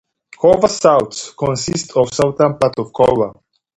Couva South consists of the southern part of the Couva.